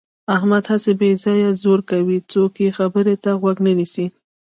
احمد هسې بې ځایه زور کوي. څوک یې خبرې ته غوږ نه نیسي.